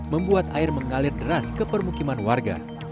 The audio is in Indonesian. membuat air mengalir deras ke permukiman warga